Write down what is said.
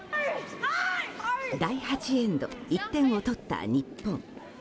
第８エンド、１点を取った日本。